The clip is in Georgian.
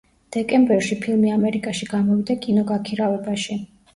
დეკემბერში ფილმი ამერიკაში გამოვიდა კინოგაქირავებაში.